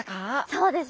そうですね。